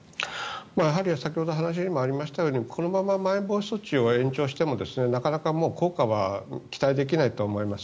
先ほど話にもありましたようにこのまま、まん延防止措置を延長してもなかなか効果は期待できないと思います。